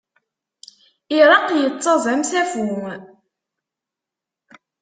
Ireqq yettaẓ am usafu.